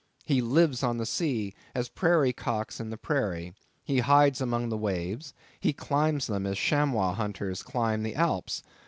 He lives on the sea, as prairie cocks in the prairie; he hides among the waves, he climbs them as chamois hunters climb the Alps.